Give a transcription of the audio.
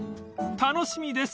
［楽しみです］